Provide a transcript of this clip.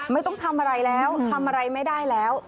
ไม่ต้องทำอะไรแล้วทำอะไรไม่ได้แล้ว